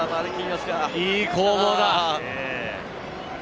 いい攻防だ。